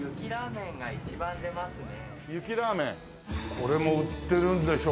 これも売ってるんでしょ？